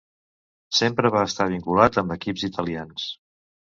Sempre va estar vinculat amb equips italians.